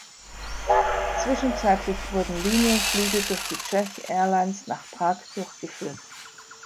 Zwischenzeitlich wurden Linienflüge durch die Czech Airlines nach Prag durchgeführt.